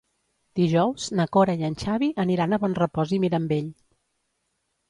Dijous na Cora i en Xavi aniran a Bonrepòs i Mirambell.